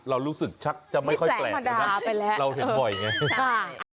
เรารู้สึกชักจะไม่ค่อยแปลกนะครับเราเห็นบ่อยไงใช่